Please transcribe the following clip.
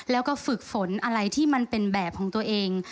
แล้วก็ฝึกฝนอะไรที่มันเป็นแบบของตัวเอง